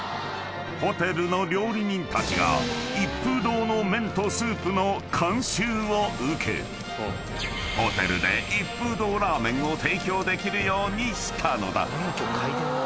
［ホテルの料理人たちが一風堂の麺とスープの監修を受けホテルで一風堂ラーメンを提供できるようにしたのだ］